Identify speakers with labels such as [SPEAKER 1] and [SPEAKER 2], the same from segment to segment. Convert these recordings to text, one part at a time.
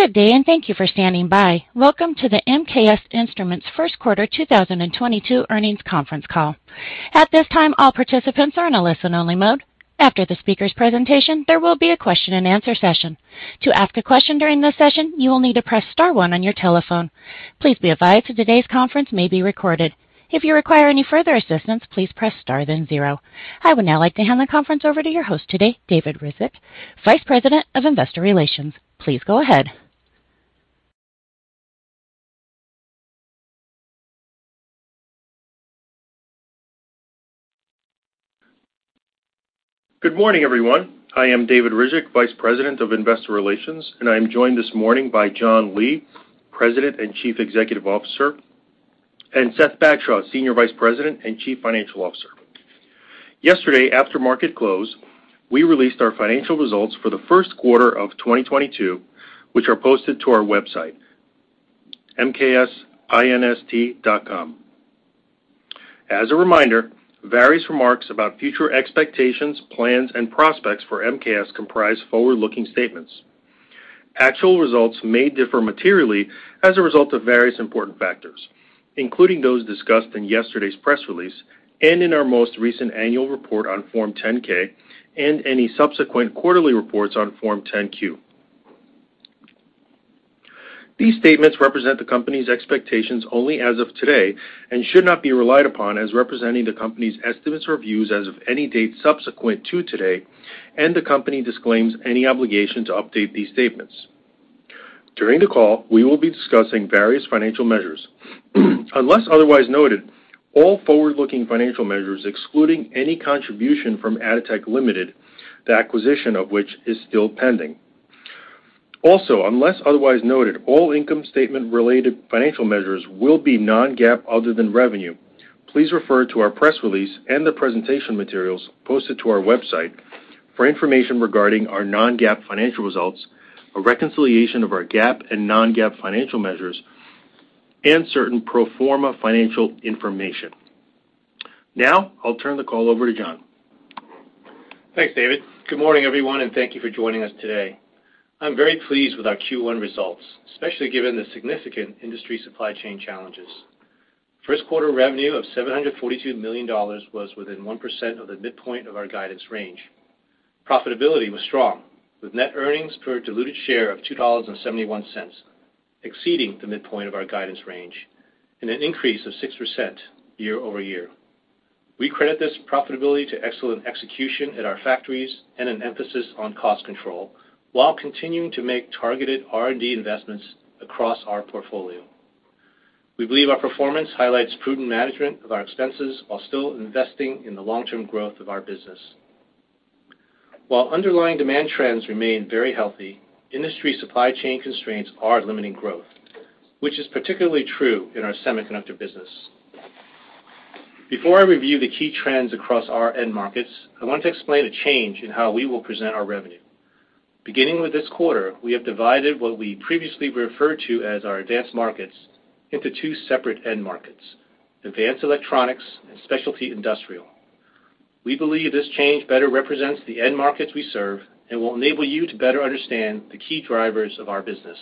[SPEAKER 1] Good day, and thank you for standing by. Welcome to the MKS Instruments 1st quarter 2022 earnings conference call. At this time, all participants are in a listen-only mode. After the speaker's presentation, there will be a question-and-answer session. To ask a question during this session, you will need to press star one on your telephone. Please be advised today's conference may be recorded. If you require any further assistance, please press star, then zero. I would now like to hand the conference over to your host today, David Ryzhik, Vice President of Investor Relations. Please go ahead.
[SPEAKER 2] Good morning, everyone. I am David Ryzhik, Vice President of Investor Relations, and I am joined this morning by John T.C. Lee, President and Chief Executive Officer, and Seth H. Bagshaw, Senior Vice President and Chief Financial Officer. Yesterday, after market close, we released our financial results for the 1st quarter of 2022, which are posted to our website, mksinst.com. As a reminder, various remarks about future expectations, plans, and prospects for MKS comprise forward-looking statements. Actual results may differ materially as a result of various important factors, including those discussed in yesterday's press release and in our most recent annual report on Form 10-K and any subsequent quarterly reports on Form 10-Q. These statements represent the company's expectations only as of today and should not be relied upon as representing the company's estimates or views as of any date subsequent to today, and the company disclaims any obligation to update these statements. During the call, we will be discussing various financial measures. Unless otherwise noted, all forward-looking financial measures excluding any contribution from Atotech, the acquisition of which is still pending. Also, unless otherwise noted, all income statement-related financial measures will be non-GAAP other than revenue. Please refer to our press release and the presentation materials posted to our website for information regarding our non-GAAP financial results, a reconciliation of our GAAP and non-GAAP financial measures, and certain pro forma financial information. Now, I'll turn the call over to John.
[SPEAKER 3] Thanks, David. Good morning, everyone, and thank you for joining us today. I'm very pleased with our Q1 results, especially given the significant industry supply chain challenges. 1st quarter revenue of $742 million was within 1% of the midpoint of our guidance range. Profitability was strong, with net earnings per diluted share of $2.71, exceeding the midpoint of our guidance range and an increase of 6% year-over-year. We credit this profitability to excellent execution at our factories and an emphasis on cost control while continuing to make targeted R&D investments across our portfolio. We believe our performance highlights prudent management of our expenses while still investing in the long-term growth of our business. While underlying demand trends remain very healthy, industry supply chain constraints are limiting growth, which is particularly true in our semiconductor business. Before I review the key trends across our end markets, I want to explain a change in how we will present our revenue. Beginning with this quarter, we have divided what we previously referred to as our advanced markets into 2 separate end markets, advanced electronics and specialty industrial. We believe this change better represents the end markets we serve and will enable you to better understand the key drivers of our business.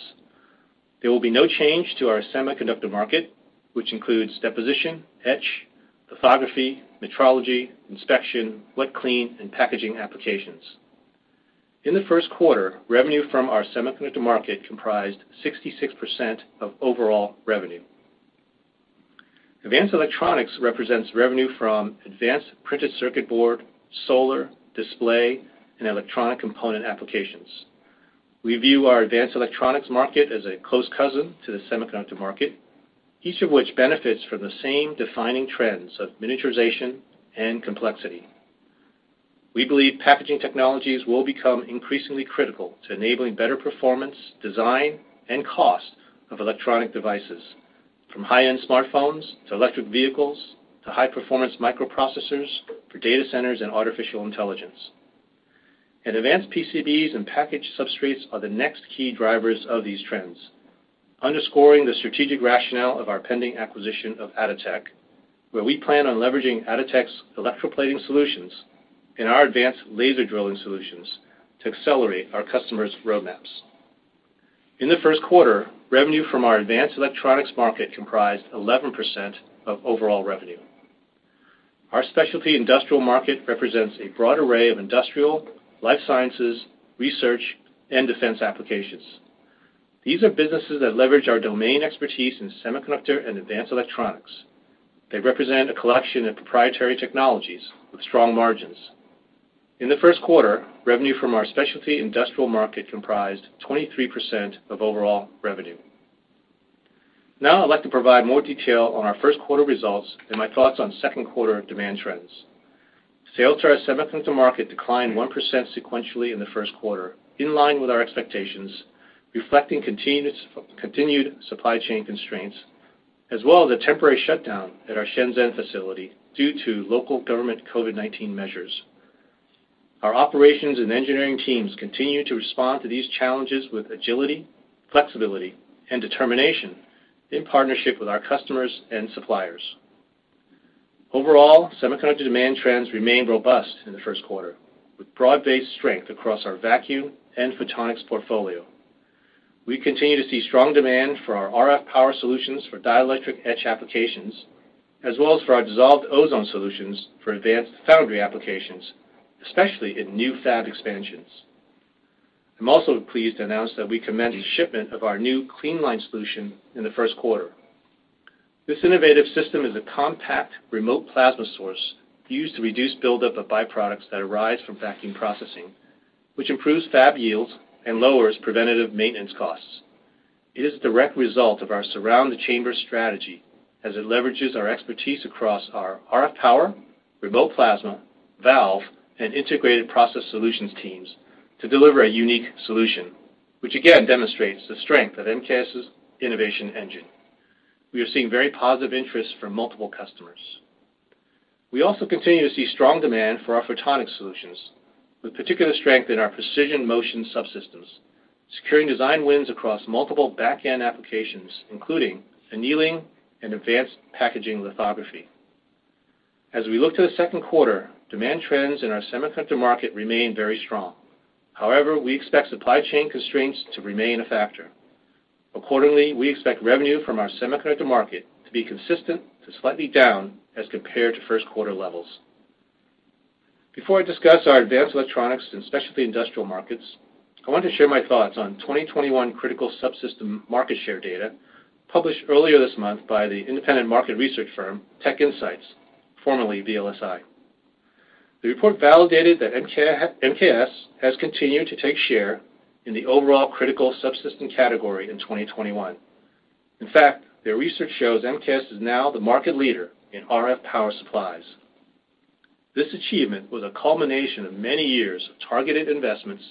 [SPEAKER 3] There will be no change to our semiconductor market, which includes deposition, etch, lithography, metrology, inspection, wet clean, and packaging applications. In the 1st quarter, revenue from our semiconductor market comprised 66% of overall revenue. Advanced Electronics represents revenue from advanced printed circuit board, solar, display, and electronic component applications. We view our Advanced Electronics market as a close cousin to the semiconductor market, each of which benefits from the same defining trends of miniaturization and complexity. We believe packaging technologies will become increasingly critical to enabling better performance, design, and cost of electronic devices, from high-end smartphones to electric vehicles to high-performance microprocessors for data centers and artificial intelligence. Advanced PCBs and packaged substrates are the next key drivers of these trends, underscoring the strategic rationale of our pending acquisition of Atotech, where we plan on leveraging Atotech's electroplating solutions and our advanced laser drilling solutions to accelerate our customers' roadmaps. In the 1st quarter, revenue from our Advanced Electronics market comprised 11% of overall revenue. Our specialty industrial market represents a broad array of industrial, life sciences, research, and defense applications. These are businesses that leverage our domain expertise in semiconductor and advanced electronics. They represent a collection of proprietary technologies with strong margins. In the 1st quarter, revenue from our specialty industrial market comprised 23% of overall revenue. Now I'd like to provide more detail on our 1st quarter results and my thoughts on 2nd quarter demand trends. Sales to our semiconductor market declined 1% sequentially in the 1st quarter, in line with our expectations, reflecting continued continued supply chain constraints as well as a temporary shutdown at our Shenzhen facility due to local government COVID-19 measures. Our operations and engineering teams continue to respond to these challenges with agility, flexibility, and determination in partnership with our customers and suppliers. Overall, semiconductor demand trends remained robust in the 1st quarter, with broad-based strength across our vacuum and photonics portfolio. We continue to see strong demand for our RF power solutions for dielectric etch applications, as well as for our dissolved ozone solutions for advanced foundry applications, especially in new fab expansions. I'm also pleased to announce that we commenced the shipment of our new Cleanline solution in the 1st quarter. This innovative system is a compact remote plasma source used to reduce buildup of byproducts that arise from vacuum processing, which improves fab yields and lowers preventative maintenance costs. It is a direct result of our Surround the Chamber strategy, as it leverages our expertise across our RF power, remote plasma, valve, and integrated process solutions teams to deliver a unique solution, which again demonstrates the strength of MKS's innovation engine. We are seeing very positive interest from multiple customers. We also continue to see strong demand for our photonics solutions, with particular strength in our precision motion subsystems, securing design wins across multiple back-end applications, including annealing and advanced packaging lithography. As we look to the 2nd quarter, demand trends in our semiconductor market remain very strong. However, we expect supply chain constraints to remain a factor. Accordingly, we expect revenue from our semiconductor market to be consistent to slightly down as compared to 1st quarter levels. Before I discuss our advanced electronics and specialty industrial markets, I want to share my thoughts on 2021 critical subsystem market share data published earlier this month by the independent market research firm, TechInsights, formerly VLSIresearch. The report validated that MKS has continued to take share in the overall critical subsystem category in 2021. In fact, their research shows MKS is now the market leader in RF power supplies. This achievement was a culmination of many years of targeted investments,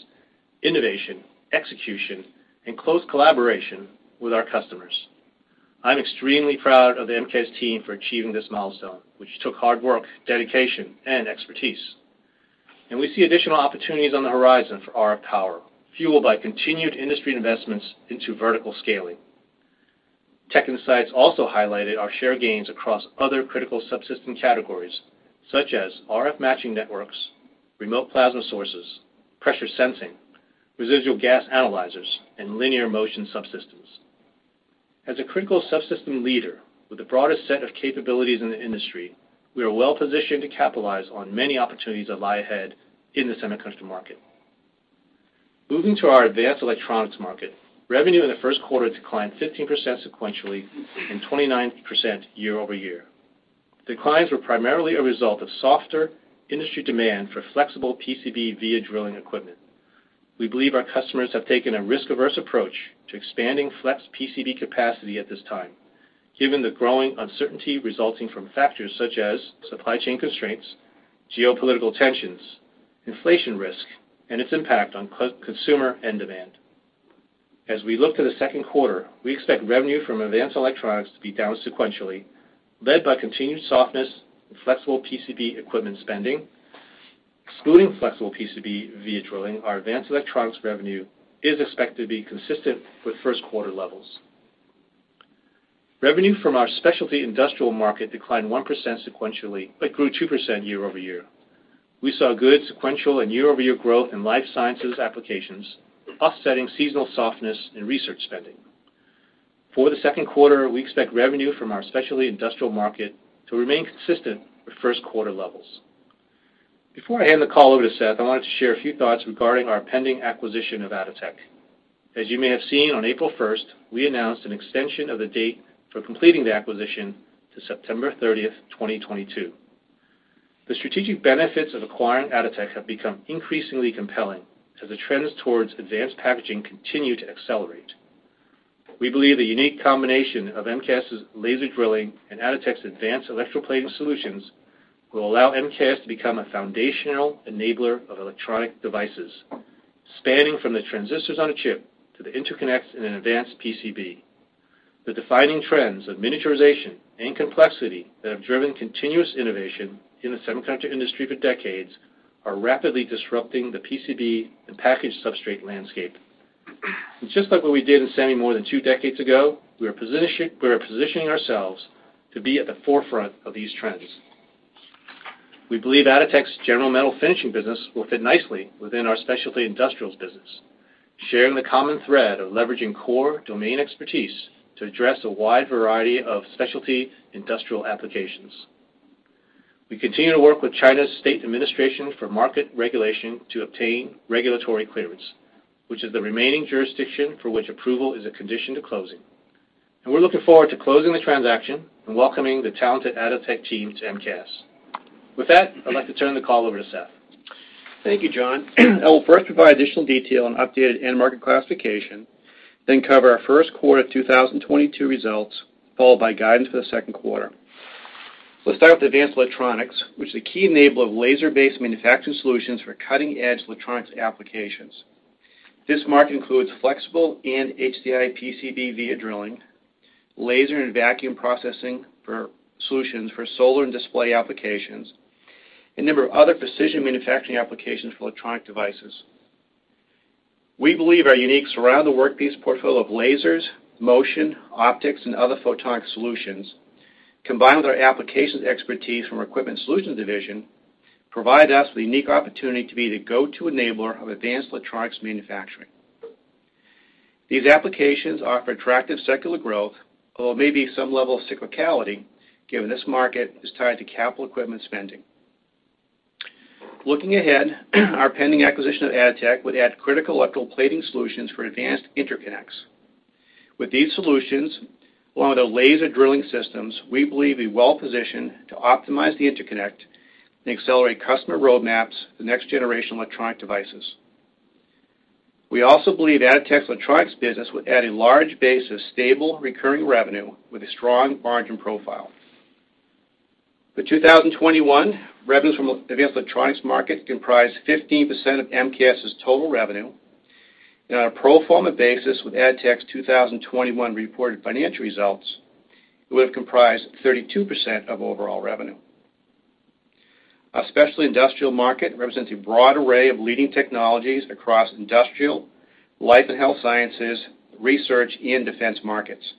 [SPEAKER 3] innovation, execution, and close collaboration with our customers. I'm extremely proud of the MKS team for achieving this milestone, which took hard work, dedication, and expertise. We see additional opportunities on the horizon for RF power, fueled by continued industry investments into vertical scaling. TechInsights also highlighted our share gains across other critical subsystem categories, such as RF matching networks, remote plasma sources, pressure sensing, residual gas analyzers, and linear motion subsystems. As a critical subsystem leader with the broadest set of capabilities in the industry, we are well-positioned to capitalize on many opportunities that lie ahead in the semiconductor market. Moving to our advanced electronics market, revenue in the 1st quarter declined 15% sequentially and 29% year-over-year. Declines were primarily a result of softer industry demand for flexible PCB via drilling equipment. We believe our customers have taken a risk-averse approach to expanding flex PCB capacity at this time, given the growing uncertainty resulting from factors such as supply chain constraints, geopolitical tensions, inflation risk, and its impact on consumer end demand. As we look to the 2nd quarter, we expect revenue from advanced electronics to be down sequentially, led by continued softness in flexible PCB equipment spending. Excluding flexible PCB via drilling, our advanced electronics revenue is expected to be consistent with 1st quarter levels. Revenue from our specialty industrial market declined 1% sequentially, but grew 2% year-over-year. We saw good sequential and year-over-year growth in life sciences applications, offsetting seasonal softness in research spending. For the 2nd quarter, we expect revenue from our specialty industrial market to remain consistent with 1st quarter levels. Before I hand the call over to Seth, I wanted to share a few thoughts regarding our pending acquisition of Atotech. As you may have seen on April 1, we announced an extension of the date for completing the acquisition to September 30, 2022. The strategic benefits of acquiring Atotech have become increasingly compelling as the trends towards advanced packaging continue to accelerate. We believe the unique combination of MKS's laser drilling and Atotech's advanced electroplating solutions will allow MKS to become a foundational enabler of electronic devices, spanning from the transistors on a chip to the interconnects in an advanced PCB. The defining trends of miniaturization and complexity that have driven continuous innovation in the semiconductor industry for decades are rapidly disrupting the PCB and package substrate landscape. Just like what we did in semi more than 2 decades ago, we are positioning ourselves to be at the forefront of these trends. We believe Atotech's general metal finishing business will fit nicely within our specialty industrials business, sharing the common thread of leveraging core domain expertise to address a wide variety of specialty industrial applications. We continue to work with China's State Administration for Market Regulation to obtain regulatory clearance, which is the remaining jurisdiction for which approval is a condition to closing. We're looking forward to closing the transaction and welcoming the talented Atotech team to MKS. With that, I'd like to turn the call over to Seth.
[SPEAKER 4] Thank you, John. I will first provide additional detail on updated end market classification, then cover our 1st quarter 2022 results, followed by guidance for the 2nd quarter. Let's start with advanced electronics, which is a key enabler of laser-based manufacturing solutions for cutting-edge electronics applications. This market includes flexible and HDI PCB via drilling, laser and vacuum processing for solutions for solar and display applications, a number of other precision manufacturing applications for electronic devices. We believe our unique Surround the Workpiece portfolio of lasers, motion, optics, and other photonic solutions, combined with our applications expertise from our Equipment Solutions Division, provide us with a unique opportunity to be the go-to enabler of advanced electronics manufacturing. These applications offer attractive secular growth, although maybe some level of cyclicality, given this market is tied to capital equipment spending. Looking ahead, our pending acquisition of Atotech would add critical electroplating solutions for advanced interconnects. With these solutions, along with our laser drilling systems, we believe we're well-positioned to optimize the interconnect and accelerate customer roadmaps for next-generation electronic devices. We also believe Atotech's electronics business would add a large base of stable, recurring revenue with a strong margin profile. The 2021 revenues from the advanced electronics market comprised 15% of MKS's total revenue, and on a pro forma basis, with Atotech's 2021 reported financial results, it would have comprised 32% of overall revenue. Our specialty industrial market represents a broad array of leading technologies across industrial, life and health sciences, research, and defense markets.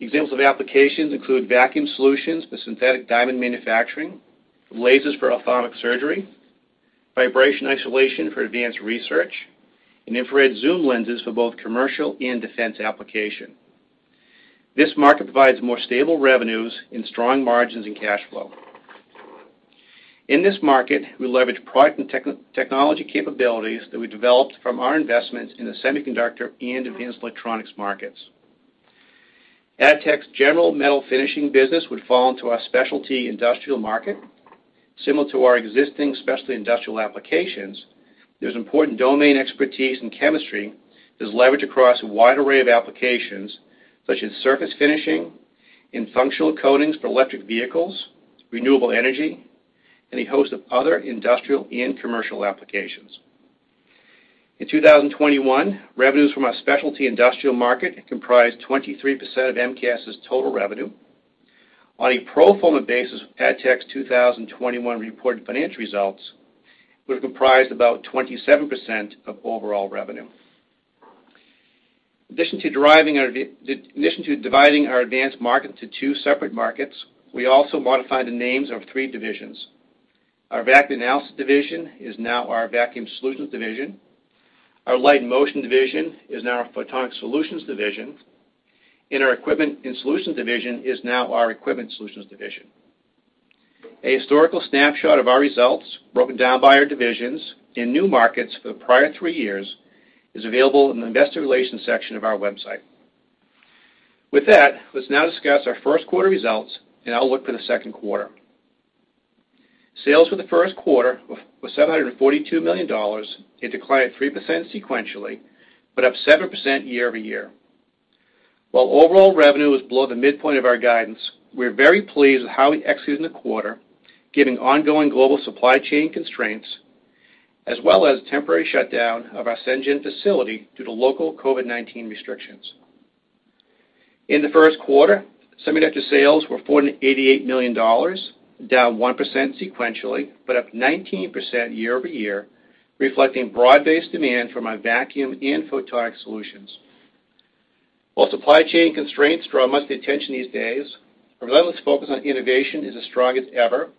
[SPEAKER 4] Examples of applications include vacuum solutions for synthetic diamond manufacturing, lasers for ophthalmic surgery, vibration isolation for advanced research, and infrared zoom lenses for both commercial and defense application. This market provides more stable revenues and strong margins and cash flow. In this market, we leverage product and technology capabilities that we developed from our investments in the semiconductor and advanced electronics markets. Atotech's general metal finishing business would fall into our specialty industrial market. Similar to our existing specialty industrial applications, there's important domain expertise in chemistry that's leveraged across a wide array of applications, such as surface finishing and functional coatings for electric vehicles, renewable energy, and a host of other industrial and commercial applications. In 2021, revenues from our specialty industrial market comprised 23% of MKS's total revenue. On a pro forma basis with Atotech's 2021 reported financial results, it would have comprised about 27% of overall revenue. In addition to dividing our advanced market into 2 separate markets, we also modified the names of three divisions. Our Vacuum and Analysis Division is now our Vacuum Solutions Division. Our Light and Motion Division is now our Photonics Solutions Division. And our Equipment and Solutions Division is now our Equipment Solutions Division. A historical snapshot of our results, broken down by our divisions and new markets for the prior 3 years, is available in the Investor Relations section of our website. With that, let's now discuss our 1st quarter results and outlook for the 2nd quarter. Sales for the 1st quarter were $742 million. It declined 3% sequentially, but up 7% year-over-year. While overall revenue was below the midpoint of our guidance, we are very pleased with how we executed in the quarter, given ongoing global supply chain constraints, as well as temporary shutdown of our Shenzhen facility due to local COVID-19 restrictions. In the 1st quarter, semiconductor sales were $488 million, down 1% sequentially, but up 19% year-over-year, reflecting broad-based demand from our vacuum and photonics solutions. While supply chain constraints draw much attention these days, our relentless focus on innovation is as strong as ever.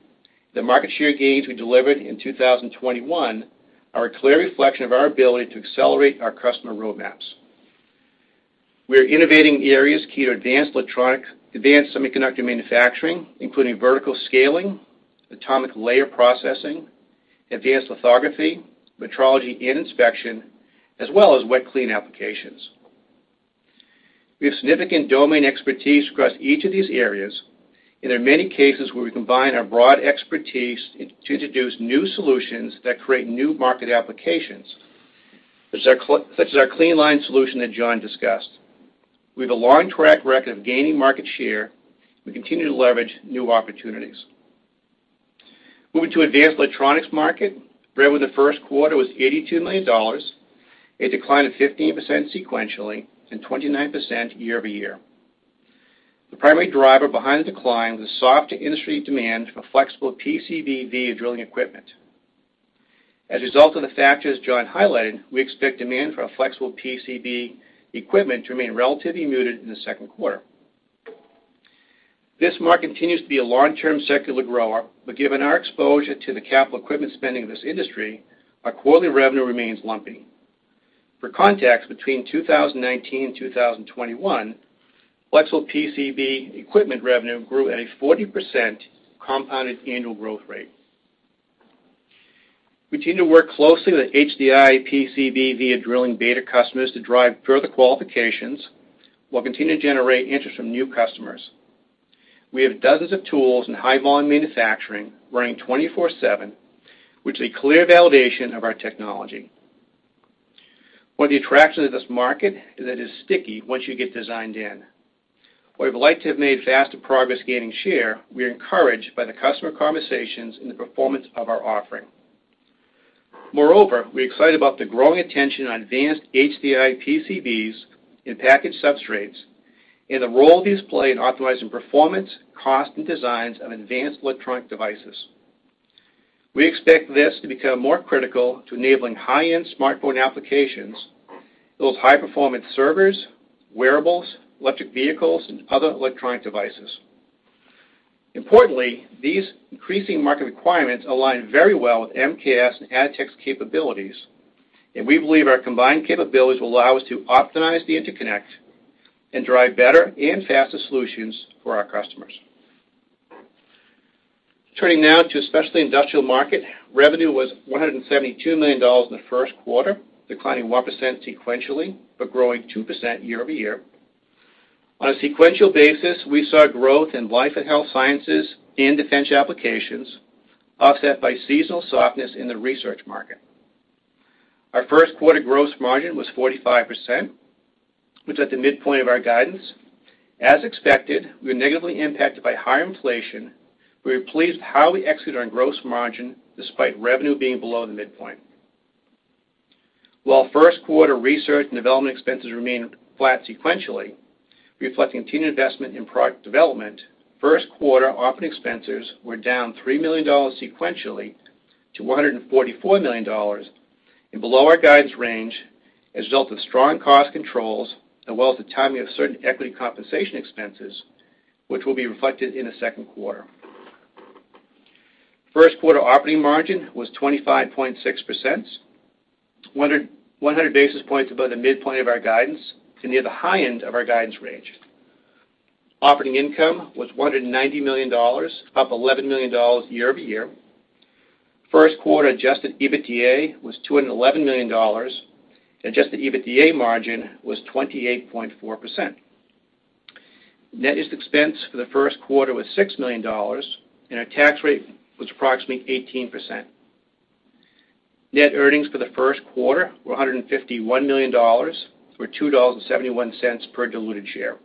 [SPEAKER 4] The market share gains we delivered in 2021 are a clear reflection of our ability to accelerate our customer roadmaps. We are innovating in areas key to advanced electronics, advanced semiconductor manufacturing, including vertical scaling, atomic layer processing, advanced lithography, metrology and inspection, as well as wet clean applications. We have significant domain expertise across each of these areas, and in many cases where we combine our broad expertise to introduce new solutions that create new market applications, such as our Cleanline solution that John discussed. We have a long track record of gaining market share, and we continue to leverage new opportunities. Moving to advanced electronics market, revenue in the 1st quarter was $82 million. It declined 15% sequentially and 29% year-over-year. The primary driver behind the decline was a soft industry demand for flexible PCB via drilling equipment. As a result of the factors John highlighted, we expect demand for our flexible PCB equipment to remain relatively muted in the 2nd quarter. This market continues to be a long-term secular grower, but given our exposure to the capital equipment spending of this industry, our quarterly revenue remains lumpy. For context, between 2019 and 2021, flexible PCB equipment revenue grew at a 40% compounded annual growth rate. We continue to work closely with HDI PCB via drilling beta customers to drive further qualifications, while continuing to generate interest from new customers. We have dozens of tools in high-volume manufacturing running 24/7, which is a clear validation of our technology. One of the attractions of this market is that it is sticky once you get designed in. While we'd have liked to have made faster progress gaining share, we are encouraged by the customer conversations and the performance of our offering. Moreover, we're excited about the growing attention on advanced HDI PCBs and packaged substrates. In the role he's played in optimizing performance, cost, and designs of advanced electronic devices. We expect this to become more critical to enabling high-end smartphone applications, those high-performance servers, wearables, electric vehicles, and other electronic devices. Importantly, these increasing market requirements align very well with MKS and Atotech's capabilities, and we believe our combined capabilities will allow us to optimize the interconnect and drive better and faster solutions for our customers. Turning now to specialty industrial market, revenue was $172 million in the 1st quarter, declining 1% sequentially, but growing 2% year-over-year. On a sequential basis, we saw growth in life and health sciences and defense applications, offset by seasonal softness in the research market. Our 1st quarter gross margin was 45%, which is at the midpoint of our guidance. As expected, we were negatively impacted by higher inflation. We were pleased with how we executed our gross margin despite revenue being below the midpoint. While 1st quarter research and development expenses remained flat sequentially, reflecting continued investment in product development, 1st quarter operating expenses were down $3 million sequentially to $144 million and below our guidance range as a result of strong cost controls as well as the timing of certain equity compensation expenses, which will be reflected in the 2nd quarter. 1st quarter operating margin was 25.6%, 100 basis points above the midpoint of our guidance to near the high end of our guidance range. Operating income was $190 million, up $11 million year-over-year. 1st quarter adjusted EBITDA was $211 million, and adjusted EBITDA margin was 28.4%. Net interest expense for the 1st quarter was $6 million, and our tax rate was approximately 18%. Net earnings for the 1st quarter were $151 million, or $2.71 per diluted share.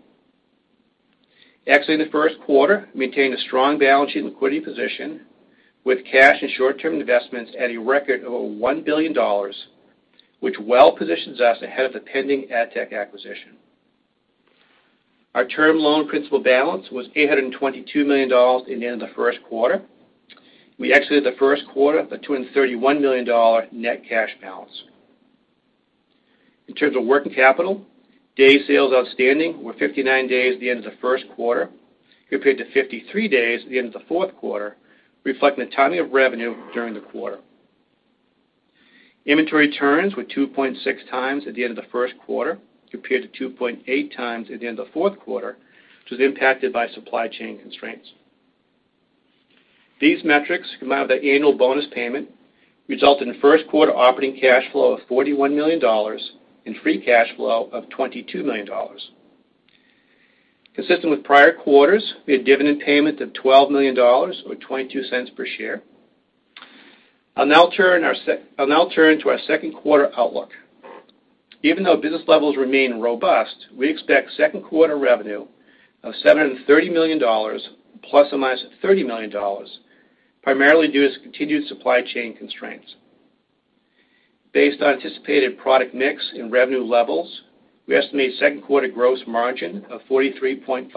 [SPEAKER 4] Exiting the 1st quarter, we maintained a strong balance sheet and liquidity position with cash and short-term investments at a record over $1 billion, which well positions us ahead of the pending Atotech acquisition. Our term loan principal balance was $822 million at the end of the 1st quarter. We exited the 1st quarter with a $231 million net cash balance. In terms of working capital, days sales outstanding were 59 days at the end of the 1st quarter, compared to 53 days at the end of the fourth quarter, reflecting the timing of revenue during the quarter. Inventory turns were 2.6 times at the end of the 1st quarter, compared to 2.8 times at the end of the fourth quarter, which was impacted by supply chain constraints. These metrics, combined with our annual bonus payment, resulted in 1st quarter operating cash flow of $41 million and free cash flow of $22 million. Consistent with prior quarters, we had dividend payment of $12 million, or $0.22 per share. I'll now turn to our 2nd quarter outlook. Even though business levels remain robust, we expect 2nd quarter revenue of $730 million ± $30 million, primarily due to continued supply chain constraints. Based on anticipated product mix and revenue levels, we estimate 2nd quarter gross margin of 43.5%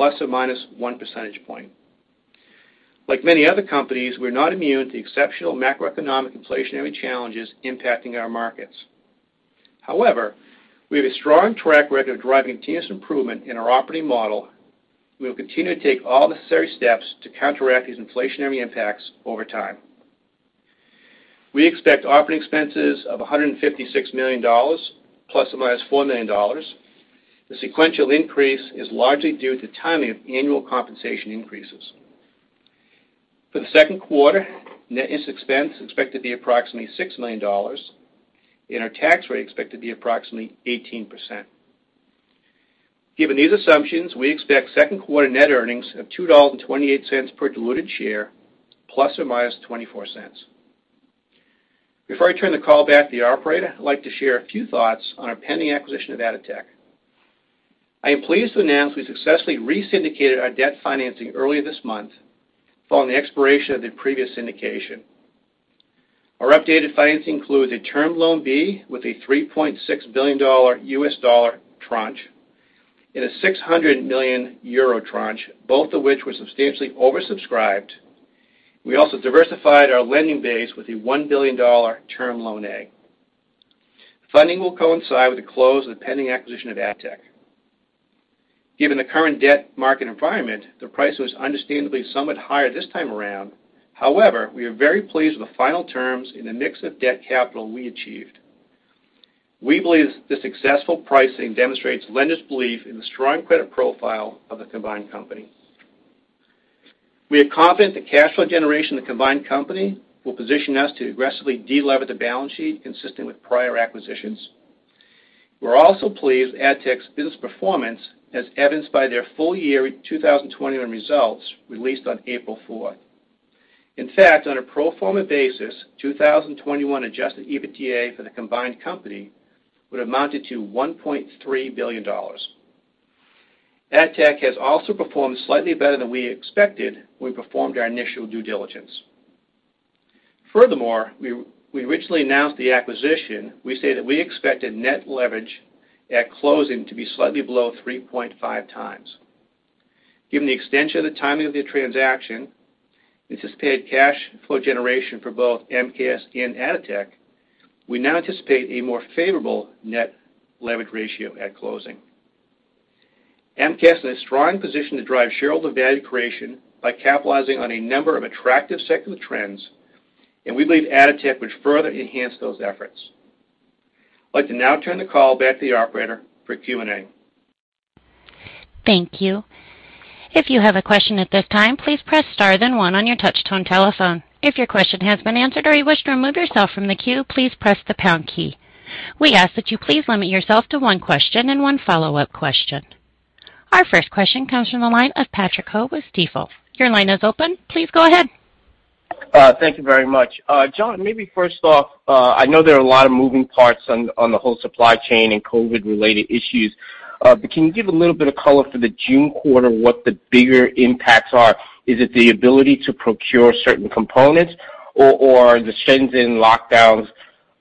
[SPEAKER 4] ± 1 percentage point. Like many other companies, we're not immune to exceptional macroeconomic inflationary challenges impacting our markets. However, we have a strong track record of driving continuous improvement in our operating model. We will continue to take all the necessary steps to counteract these inflationary impacts over time. We expect operating expenses of $156 million ± $4 million. The sequential increase is largely due to timing of annual compensation increases. For the 2nd quarter, net interest expense is expected to be approximately $6 million, and our tax rate expected to be approximately 18%. Given these assumptions, we expect 2nd quarter net earnings of $2.28 per diluted share ±$0.24. Before I turn the call back to the operator, I'd like to share a few thoughts on our pending acquisition of Atotech. I am pleased to announce we successfully re-syndicated our debt financing earlier this month following the expiration of the previous syndication. Our updated financing includes a Term Loan B with a $3.6 billion U.S. dollar tranche and a 600 million euro tranche, both of which were substantially oversubscribed. We also diversified our lending base with a $1 billion Term Loan A. Funding will coincide with the close of the pending acquisition of Atotech. Given the current debt market environment, the price was understandably somewhat higher this time around. However, we are very pleased with the final terms and the mix of debt capital we achieved. We believe the successful pricing demonstrates lenders' belief in the strong credit profile of the combined company. We are confident the cash flow generation of the combined company will position us to aggressively de-lever the balance sheet consistent with prior acquisitions. We're also pleased with Atotech's business performance, as evidenced by their full year 2021 results released on April 4th. In fact, on a pro forma basis, 2021 adjusted EBITDA for the combined company would amount to $1.3 billion. Atotech has also performed slightly better than we expected when we performed our initial due diligence. Furthermore, we originally announced the acquisition. We say that we expected net leverage at closing to be slightly below 3.5x. Given the extension of the timing of the transaction, anticipated cash flow generation for both MKS and Atotech, we now anticipate a more favorable net leverage ratio at closing. MKS is in a strong position to drive shareholder value creation by capitalizing on a number of attractive secular trends, and we believe Atotech would further enhance those efforts. I'd like to now turn the call back to the operator for Q&A.
[SPEAKER 1] Thank you. If you have a question at this time, please press star then one on your touch tone telephone. If your question has been answered or you wish to remove yourself from the queue, please press the pound key. We ask that you please limit yourself to one question and one follow-up question. Our first question comes from the line of Patrick Ho with Stifel. Your line is open. Please go ahead.
[SPEAKER 5] Thank you very much. John, maybe first off, I know there are a lot of moving parts on the whole supply chain and COVID-related issues, but can you give a little bit of color for the June quarter, what the bigger impacts are? Is it the ability to procure certain components or the Shenzhen lockdowns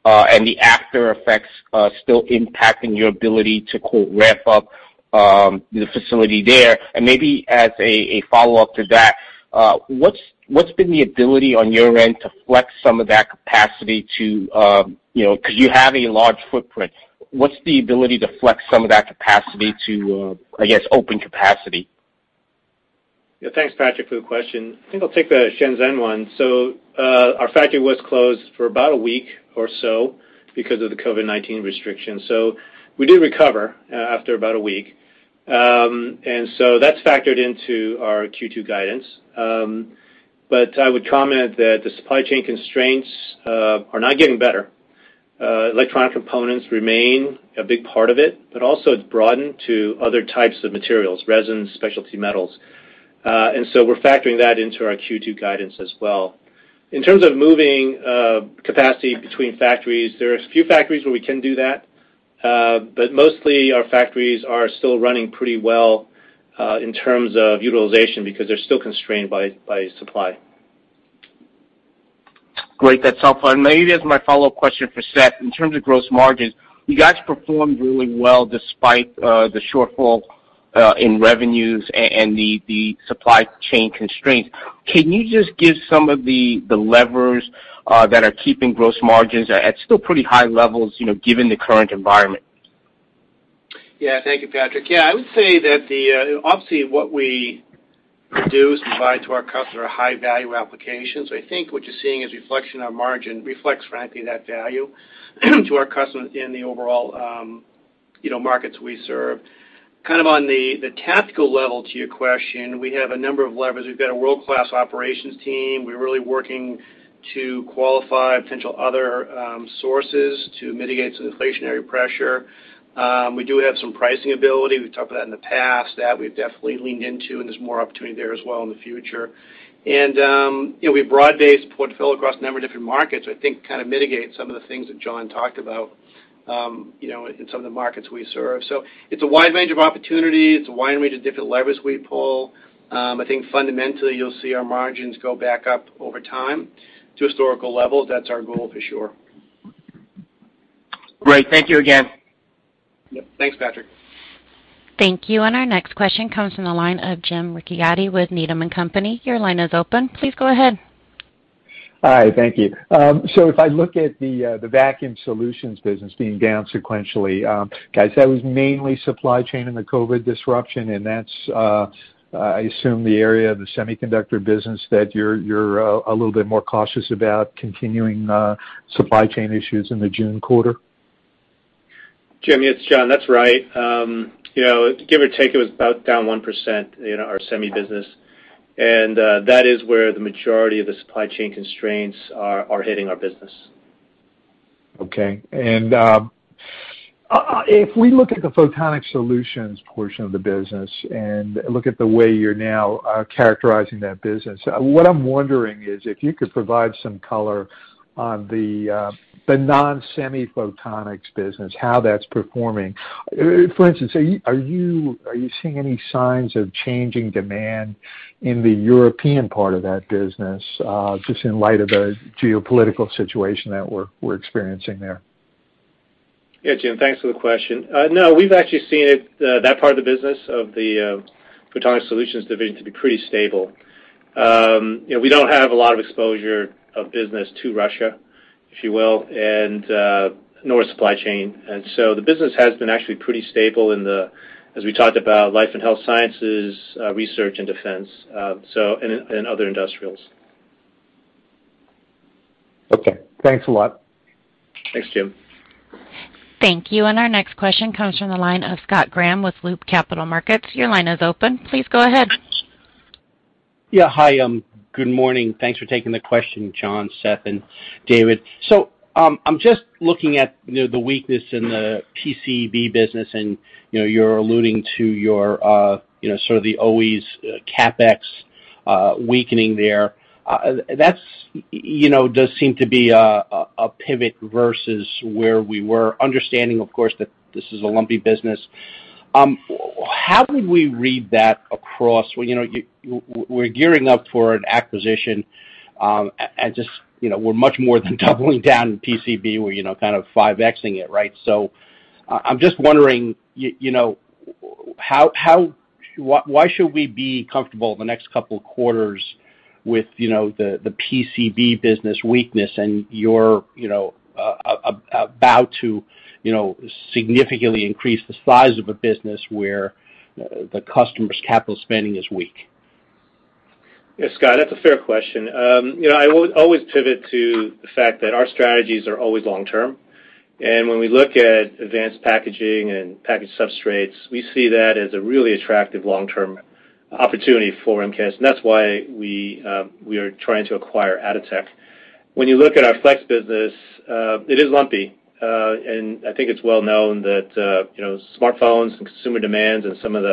[SPEAKER 5] and the aftereffects still impacting your ability to 'ramp up' the facility there? Maybe as a follow-up to that, what's been the ability on your end to flex some of that capacity to, you know, 'cause you have a large footprint. What's the ability to flex some of that capacity to, I guess, open capacity?
[SPEAKER 3] Yeah, thanks Patrick for the question. I think I'll take the Shenzhen one. Our factory was closed for about a week or so because of the COVID-19 restrictions. We did recover after about a week. That's factored into our Q2 guidance. I would comment that the supply chain constraints are not getting better. Electronic components remain a big part of it, but also it's broadened to other types of materials, resins, specialty metals. We're factoring that into our Q2 guidance as well. In terms of moving capacity between factories, there's a few factories where we can do that. Mostly our factories are still running pretty well in terms of utilization because they're still constrained by supply.
[SPEAKER 5] Great. That's helpful. Maybe as my follow-up question for Seth, in terms of gross margins, you guys performed really well despite the shortfall in revenues and the supply chain constraints. Can you just give some of the levers that are keeping gross margins at still pretty high levels, you know, given the current environment?
[SPEAKER 4] Yeah. Thank you, Patrick. Yeah, I would say that obviously what we do is provide to our customer high value applications. So I think what you're seeing is reflection on margin reflects frankly that value to our customers in the overall, you know, markets we serve. Kind of on the tactical level to your question, we have a number of levers. We've got a world-class operations team. We're really working to qualify potential other sources to mitigate some inflationary pressure. We do have some pricing ability. We've talked about that in the past. That we've definitely leaned into, and there's more opportunity there as well in the future. You know, we have broad-based portfolio across a number of different markets. I think kind of mitigate some of the things that John talked about, you know, in some of the markets we serve. It's a wide range of opportunities. It's a wide range of different levers we pull. I think fundamentally, you'll see our margins go back up over time to historical levels. That's our goal for sure.
[SPEAKER 5] Great. Thank you again.
[SPEAKER 4] Yep. Thanks, Patrick.
[SPEAKER 1] Thank you. Our next question comes from the line of Jim Ricchiuti with Needham & Company. Your line is open. Please go ahead.
[SPEAKER 6] Hi. Thank you. If I look at the Vacuum Solutions business being down sequentially, guys, that was mainly supply chain and the COVID disruption, and that's, I assume the area of the semiconductor business that you're a little bit more cautious about continuing supply chain issues in the June quarter.
[SPEAKER 3] Jim, it's John. That's right. You know, give or take, it was about down 1% in our semi business. That is where the majority of the supply chain constraints are hitting our business.
[SPEAKER 6] Okay. If we look at the Photonics Solutions portion of the business and look at the way you're now characterizing that business, what I'm wondering is if you could provide some color on the non-semi photonics business, how that's performing. For instance, are you seeing any signs of changing demand in the European part of that business, just in light of the geopolitical situation that we're experiencing there?
[SPEAKER 3] Yeah, Jim, thanks for the question. No, we've actually seen it, that part of the business of the Photonics Solutions Division to be pretty stable. You know, we don't have a lot of exposure of business to Russia, if you will, and nor supply chain. The business has been actually pretty stable, as we talked about life and health sciences, research and defense, and other industrials.
[SPEAKER 6] Okay. Thanks a lot.
[SPEAKER 3] Thanks, Jim.
[SPEAKER 1] Thank you. Our next question comes from the line of Scott Graham with Loop Capital Markets. Your line is open. Please go ahead.
[SPEAKER 7] Yeah. Hi. Good morning. Thanks for taking the question, John, Seth, and David. I'm just looking at, you know, the weakness in the PCB business and, you know, you're alluding to your, you know, sort of the always CapEx weakening there. That's, you know, does seem to be a pivot versus where we were understanding, of course, that this is a lumpy business. How would we read that across. Well, you know, we're gearing up for an acquisition, and just, you know, we're much more than doubling down in PCB, we're, you know, kind of 5x-ing it, right? I'm just wondering, you know, why should we be comfortable the next couple of quarters with, you know, the PCB business weakness and you're, you know, about to, you know, significantly increase the size of a business where the customer's capital spending is weak?
[SPEAKER 3] Yes, Scott, that's a fair question. You know, I always pivot to the fact that our strategies are always long term. When we look at advanced packaging and package substrates, we see that as a really attractive long-term opportunity for MKS, and that's why we are trying to acquire Atotech. When you look at our flex business, it is lumpy, and I think it's well known that you know, smartphones and consumer demands and some of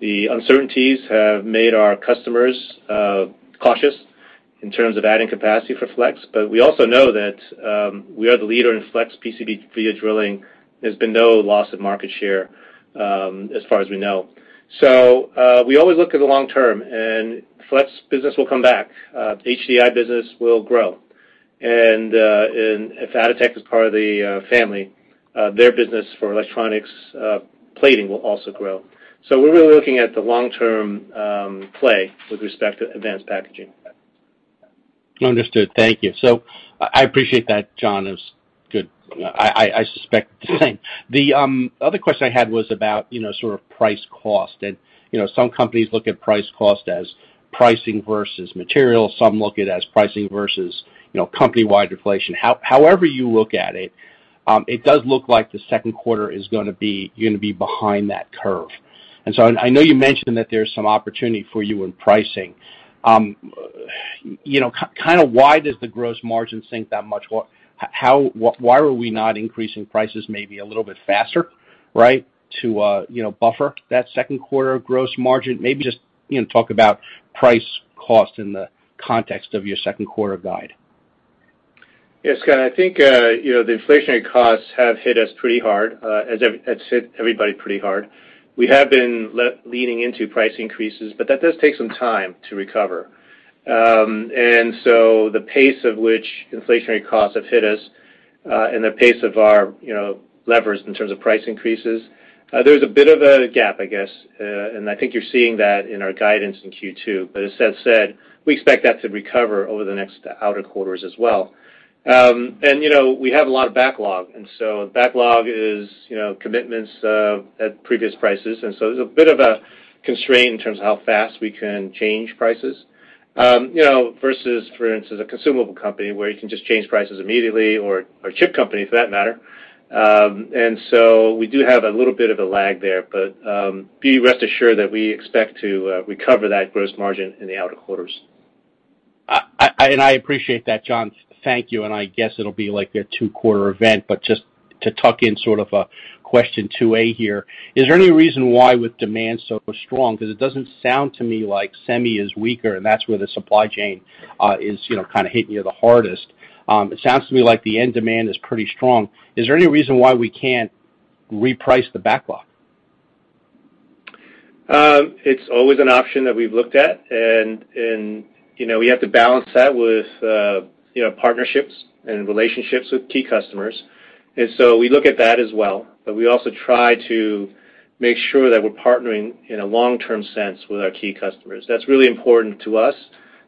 [SPEAKER 3] the uncertainties have made our customers cautious in terms of adding capacity for flex. We also know that we are the leader in flex PCB via drilling. There's been no loss of market share, as far as we know. We always look at the long term, and flex business will come back. HDI business will grow. If Atotech is part of the family, their business for electronics plating will also grow. We're really looking at the long-term play with respect to advanced packaging.
[SPEAKER 7] Understood. Thank you. I appreciate that, John. It was good. I suspect the same. The other question I had was about, you know, sort of price cost. You know, some companies look at price cost as pricing versus material, some look at it as pricing versus, you know, company-wide deflation. However you look at it does look like the 2nd quarter is gonna be you're gonna be behind that curve. I know you mentioned that there's some opportunity for you in pricing. You know, kind of why does the gross margin sink that much? Why are we not increasing prices maybe a little bit faster, right, to, you know, buffer that 2nd quarter gross margin? Maybe just, you know, talk about price cost in the context of your 2nd quarter guide.
[SPEAKER 3] Yes, Scott. I think, you know, the inflationary costs have hit us pretty hard, as has hit everybody pretty hard. We have been leaning into price increases, but that does take some time to recover. The pace of which inflationary costs have hit us, and the pace of our, you know, levers in terms of price increases, there's a bit of a gap, I guess, and I think you're seeing that in our guidance in Q2. As Seth said, we expect that to recover over the next outer quarters as well. You know, we have a lot of backlog, and so backlog is, you know, commitments at previous prices. There's a bit of a constraint in terms of how fast we can change prices, you know, versus, for instance, a consumable company where you can just change prices immediately or chip company for that matter. We do have a little bit of a lag there, but rest assured that we expect to recover that gross margin in the outer quarters.
[SPEAKER 7] I appreciate that, John. Thank you, and I guess it'll be like a two-quarter event, but just to tuck in sort of a question 2 A here, is there any reason why with demand so strong, because it doesn't sound to me like semi is weaker, and that's where the supply chain is, you know, kind of hitting you the hardest. It sounds to me like the end demand is pretty strong. Is there any reason why we can't reprice the backlog?
[SPEAKER 3] It's always an option that we've looked at, and, you know, we have to balance that with, you know, partnerships and relationships with key customers. We look at that as well, but we also try to make sure that we're partnering in a long-term sense with our key customers. That's really important to us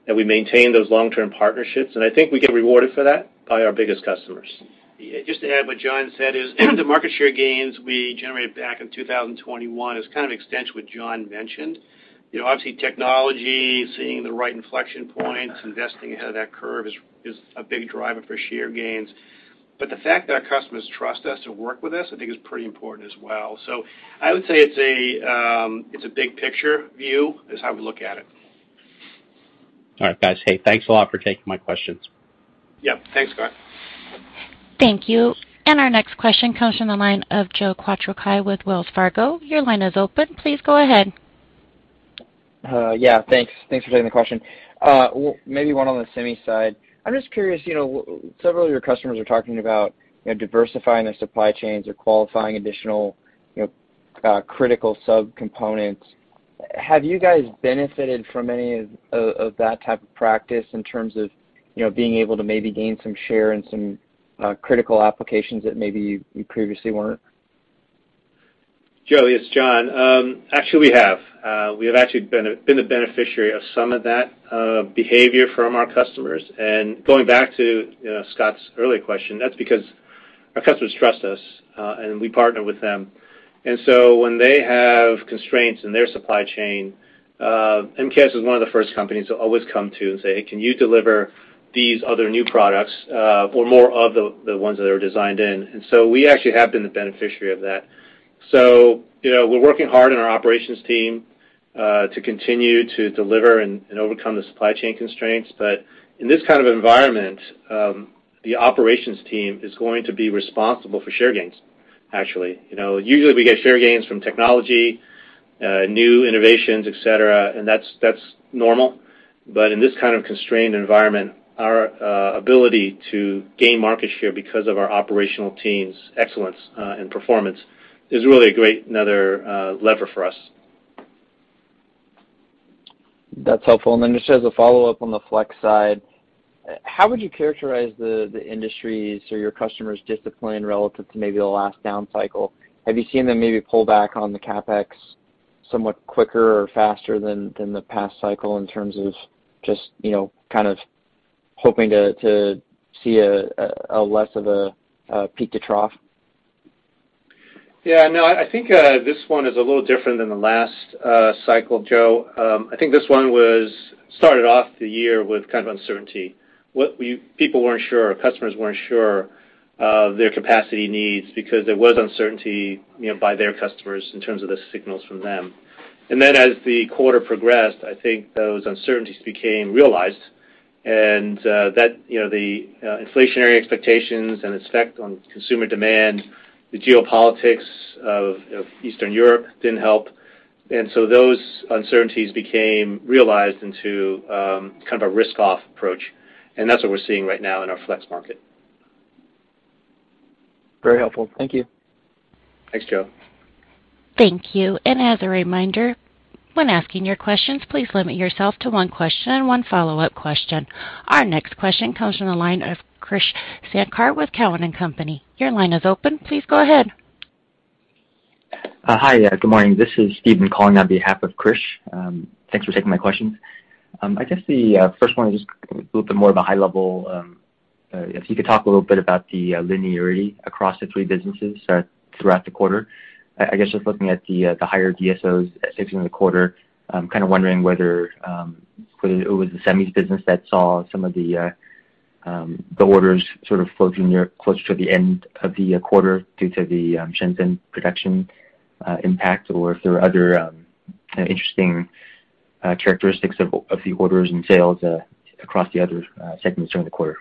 [SPEAKER 3] that we maintain those long-term partnerships, and I think we get rewarded for that by our biggest customers.
[SPEAKER 4] Yeah, just to add what John said is the market share gains we generated back in 2021 is kind of extension what John mentioned. You know, obviously, technology, seeing the right inflection points, investing ahead of that curve is a big driver for share gains. But the fact that our customers trust us to work with us, I think is pretty important as well. I would say it's a big picture view is how we look at it.
[SPEAKER 7] All right, guys. Hey, thanks a lot for taking my questions.
[SPEAKER 3] Yeah. Thanks, Scott.
[SPEAKER 1] Thank you. Our next question comes from the line of Joe Quattrocchi with Wells Fargo. Your line is open. Please go ahead.
[SPEAKER 8] Yeah, thanks. Thanks for taking the question. Maybe one on the semi side. I'm just curious, you know, several of your customers are talking about, you know, diversifying their supply chains or qualifying additional, you know, critical subcomponents. Have you guys benefited from any of that type of practice in terms of, you know, being able to maybe gain some share in some critical applications that maybe you previously weren't?
[SPEAKER 3] Joe, it's John. Actually, we have actually been the beneficiary of some of that behavior from our customers. Going back to, you know, Scott Graham's earlier question, that's because our customers trust us, and we partner with them. When they have constraints in their supply chain, MKS is one of the first companies they'll always come to and say, "Can you deliver these other new products, or more of the ones that are designed in?" We actually have been the beneficiary of that. You know, we're working hard in our operations team to continue to deliver and overcome the supply chain constraints. In this kind of environment, the operations team is going to be responsible for share gains, actually. You know, usually we get share gains from technology, new innovations, et cetera, and that's normal. In this kind of constrained environment, our ability to gain market share because of our operational team's excellence and performance is really a great another lever for us.
[SPEAKER 8] That's helpful. Just as a follow-up on the flex side, how would you characterize the industries or your customers' discipline relative to maybe the last down cycle? Have you seen them maybe pull back on the CapEx somewhat quicker or faster than the past cycle in terms of just, you know, kind of hoping to see a less of a peak to trough?
[SPEAKER 3] Yeah, no, I think this one is a little different than the last cycle, Joe. I think this one started off the year with kind of uncertainty. People weren't sure, customers weren't sure of their capacity needs because there was uncertainty, you know, by their customers in terms of the signals from them. As the quarter progressed, I think those uncertainties became realized, and that, you know, the inflationary expectations and its effect on consumer demand, the geopolitics of Eastern Europe didn't help. Those uncertainties became realized into kind of a risk off approach, and that's what we're seeing right now in our flex market.
[SPEAKER 8] Very helpful. Thank you.
[SPEAKER 3] Thanks, Joe Quattrocchi.
[SPEAKER 1] Thank you. As a reminder, when asking your questions, please limit yourself to one question and one follow-up question. Our next question comes from the line of Krish Sankar with Cowen and Company. Your line is open. Please go ahead.
[SPEAKER 9] Hi. Good morning. This is Steven calling on behalf of Krish. Thanks for taking my questions. I guess the first one is just a little bit more of a high level. If you could talk a little bit about the linearity across the three businesses throughout the quarter. I guess just looking at the higher DSOs at 6 in the quarter, I'm kind of wondering whether it was the semis business that saw some of the orders sort of floating near close to the end of the quarter due to the Shenzhen production impact, or if there are other interesting characteristics of the orders and sales across the other segments during the quarter.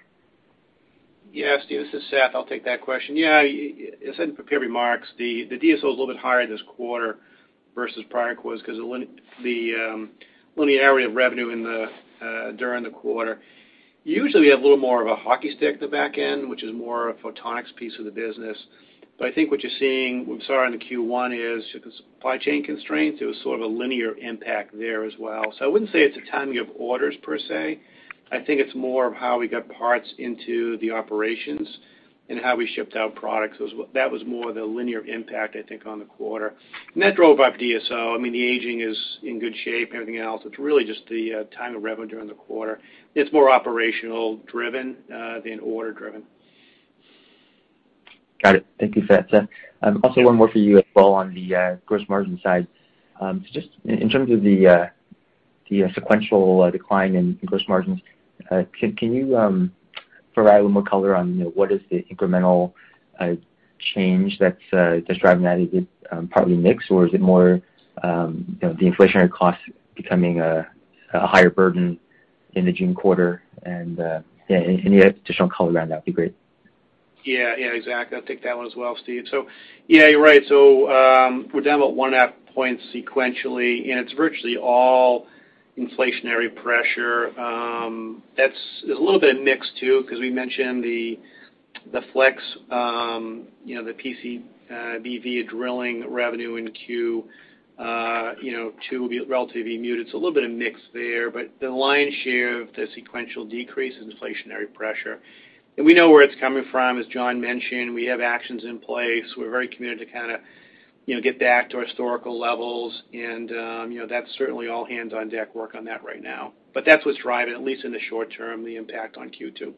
[SPEAKER 4] Yeah. Steven, this is Seth. I'll take that question. Yeah, as said in prepared remarks, the DSO is a little bit higher this quarter versus prior quarters 'cause of the linearity of revenue during the quarter. Usually, we have a little more of a hockey stick at the back end, which is more of photonics piece of the business. I think what you're seeing, we saw in the Q1 is supply chain constraints. It was sort of a linear impact there as well. I wouldn't say it's a timing of orders per se. I think it's more of how we got parts into the operations and how we shipped out products. That was more of the linear impact, I think, on the quarter. That drove up DSO. I mean, the aging is in good shape, everything else. It's really just the time of revenue during the quarter. It's more operational driven than order driven.
[SPEAKER 9] Got it. Thank you for that, Seth. Also one more for you as well on the gross margin side. Just in terms of the sequential decline in gross margins, can you provide a little more color on, you know, what is the incremental change that's driving that? Is it partly mix or is it more, you know, the inflationary cost becoming a higher burden in the June quarter? Any additional color around that would be great.
[SPEAKER 4] Yeah. Yeah, exactly. I'll take that one as well, Steven. Yeah, you're right. We're down about 0.5 point sequentially, and it's virtually all inflationary pressure. That's. There's a little bit of mix too 'cause we mentioned the flex, you know, the PCB via drilling revenue in Q2 will be relatively muted. A little bit of mix there, but the lion's share of the sequential decrease is inflationary pressure. We know where it's coming from, as John mentioned. We have actions in place. We're very committed to kinda get back to our historical levels, and you know, that's certainly all hands on deck work on that right now. That's what's driving, at least in the short term, the impact on Q2.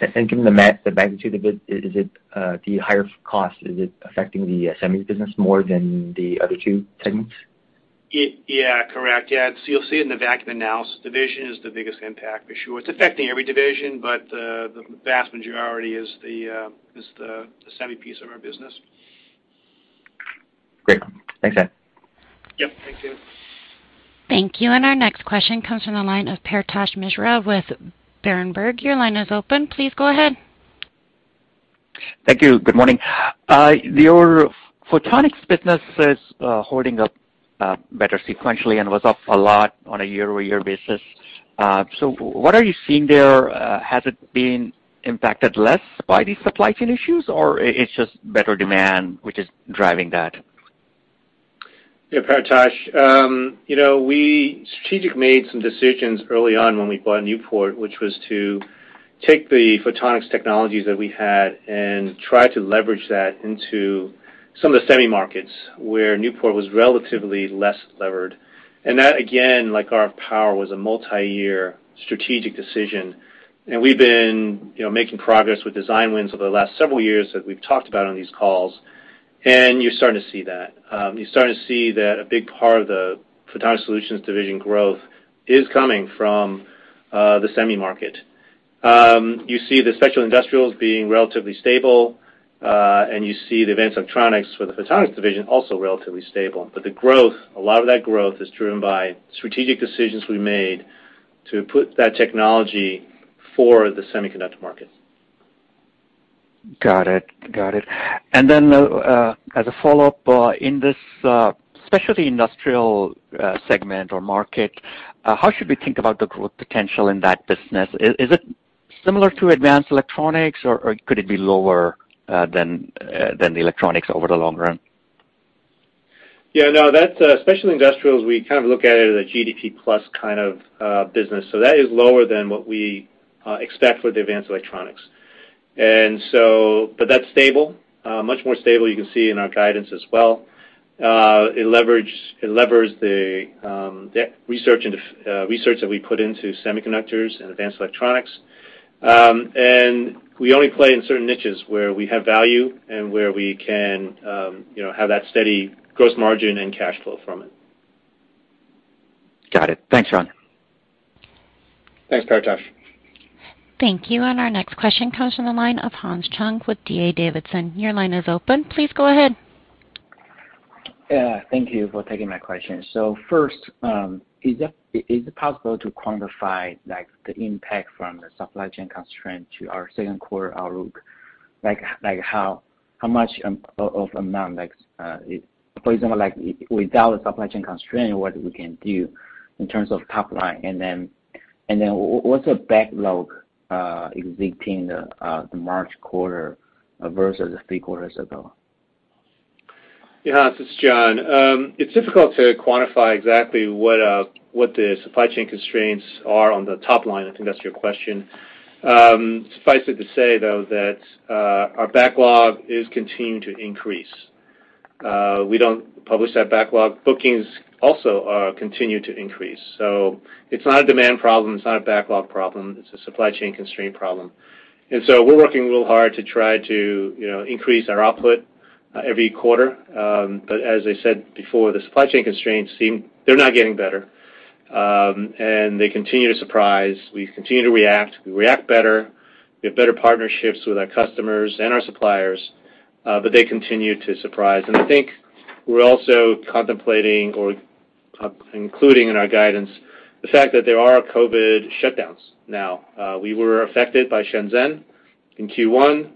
[SPEAKER 9] Given the magnitude of it, is it the higher cost, is it affecting the semis business more than the other 2 segments?
[SPEAKER 4] Yeah, correct. Yeah. You'll see it in the Vacuum and Analysis Division is the biggest impact for sure. It's affecting every division, but the vast majority is the semi piece of our business.
[SPEAKER 9] Great. Thanks, Seth.
[SPEAKER 4] Yep. Thanks, Steven.
[SPEAKER 1] Thank you. Our next question comes from the line of Paretosh Misra with Berenberg. Your line is open. Please go ahead.
[SPEAKER 10] Thank you. Good morning. Your photonics business is holding up better sequentially and was up a lot on a year-over-year basis. What are you seeing there? Has it been impacted less by these supply chain issues, or it's just better demand which is driving that?
[SPEAKER 3] Yeah, Paretosh. You know, we strategic made some decisions early on when we bought Newport, which was to take the photonics technologies that we had and try to leverage that into some of the semi markets where Newport was relatively less levered. That, again, like RF power, was a multiyear strategic decision. We've been, you know, making progress with design wins over the last several years that we've talked about on these calls, and you're starting to see that. You're starting to see that a big part of the Photonics Solutions Division growth is coming from the semi market. You see the special industrials being relatively stable, and you see the advanced electronics for the photonics division also relatively stable. The growth, a lot of that growth is driven by strategic decisions we made to put that technology for the semiconductor market.
[SPEAKER 10] Got it. As a follow-up, in this specialty industrial segment or market, how should we think about the growth potential in that business? Is it similar to advanced electronics or could it be lower than the electronics over the long run?
[SPEAKER 3] Yeah, no, that's specialty industrials. We kind of look at it as a GDP plus kind of business. That is lower than what we expect for the advanced electronics. That's stable, much more stable. You can see in our guidance as well. It leverages the research that we put into semiconductors and advanced electronics. We only play in certain niches where we have value and where we can, you know, have that steady gross margin and cash flow from it.
[SPEAKER 10] Got it. Thanks, John.
[SPEAKER 3] Thanks, Paretosh.
[SPEAKER 1] Thank you. Our next question comes from the line of Hanson Chung with D.A. Davidson. Your line is open. Please go ahead.
[SPEAKER 11] Yeah, thank you for taking my question. First, is it possible to quantify like the impact from the supply chain constraint to our 2nd quarter outlook? Like how much of amount, for example, like without a supply chain constraint, what we can do in terms of top line? What's the backlog at the end of the March quarter versus the three quarters ago?
[SPEAKER 3] Yeah, Hanson, this is John. It's difficult to quantify exactly what the supply chain constraints are on the top line. I think that's your question. Suffice it to say, though, that our backlog is continuing to increase. We don't publish that backlog. Bookings also continue to increase. It's not a demand problem, it's not a backlog problem, it's a supply chain constraint problem. We're working real hard to try to, you know, increase our output every quarter. As I said before, the supply chain constraints seem. They're not getting better. They continue to surprise. We continue to react. We react better. We have better partnerships with our customers and our suppliers, but they continue to surprise. I think we're also contemplating or including in our guidance the fact that there are COVID shutdowns now. We were affected by Shenzhen in Q1.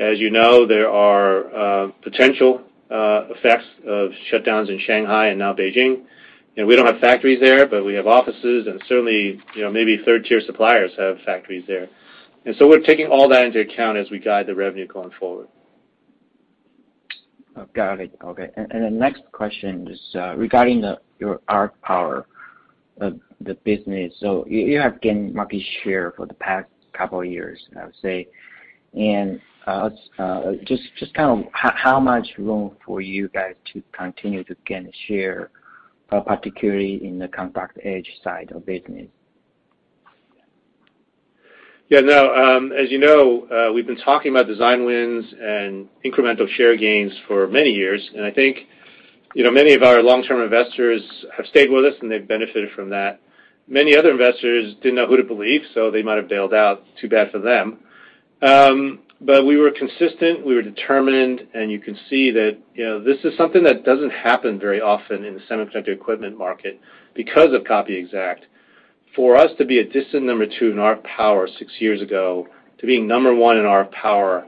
[SPEAKER 3] As you know, there are potential effects of shutdowns in Shanghai and now Beijing. We don't have factories there, but we have offices and certainly, you know, maybe third-tier suppliers have factories there. We're taking all that into account as we guide the revenue going forward.
[SPEAKER 11] Got it. Okay. The next question is regarding your RF power business. You have gained market share for the past couple of years, I would say. Just kind of how much room for you guys to continue to gain share, particularly in the compact etch side of business?
[SPEAKER 3] Yeah, no, as you know, we've been talking about design wins and incremental share gains for many years. I think, you know, many of our long-term investors have stayed with us, and they've benefited from that. Many other investors didn't know who to believe, so they might have bailed out. Too bad for them. We were consistent, we were determined, and you can see that, you know, this is something that doesn't happen very often in the semiconductor equipment market because of Copy Exactly. For us to be a distant number 2 in RF power 6 years ago to being number one in RF power,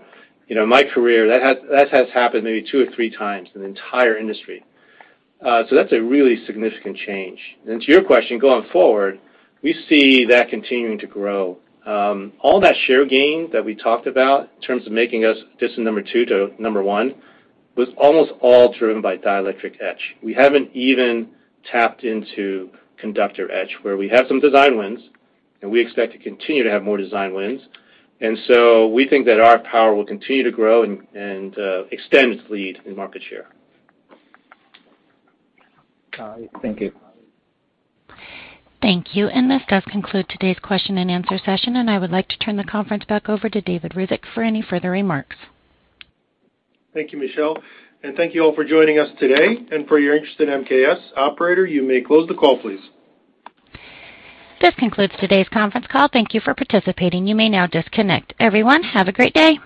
[SPEAKER 3] you know, my career, that has happened maybe 2 or 3 times in the entire industry. So that's a really significant change. To your question, going forward, we see that continuing to grow. All that share gain that we talked about in terms of making us distant number 2 to number 1 was almost all driven by dielectric etch. We haven't even tapped into conductor etch, where we have some design wins, and we expect to continue to have more design wins. We think that our power will continue to grow and extend its lead in market share.
[SPEAKER 11] Got it. Thank you.
[SPEAKER 1] Thank you. This does conclude today's question and answer session, and I would like to turn the conference back over to David Ryzhik for any further remarks.
[SPEAKER 2] Thank you, Michelle. Thank you all for joining us today and for your interest in MKS. Operator, you may close the call, please.
[SPEAKER 1] This concludes today's conference call. Thank you for participating. You may now disconnect. Everyone, have a great day.